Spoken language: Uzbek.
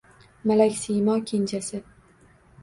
Malaksiymo kenjasi